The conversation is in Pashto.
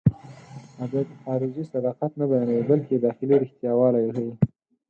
ادب خارجي صداقت نه بيانوي، بلکې داخلي رښتياوالی ښيي.